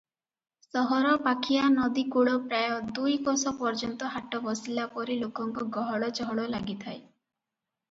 ସହରପାଖିଆ ନଦୀକୂଳ ପ୍ରାୟ ଦୁଇ କୋଶ ପର୍ଯ୍ୟନ୍ତ ହାଟ ବସିଲା ପରି ଲୋକଙ୍କ ଗହଳ ଚହଳ ଲାଗିଥାଏ ।